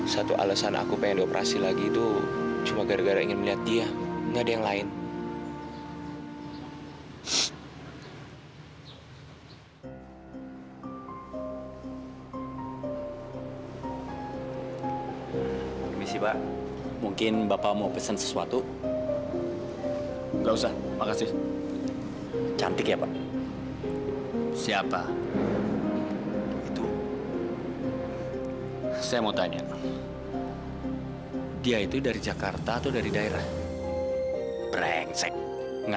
sampai jumpa di video selanjutnya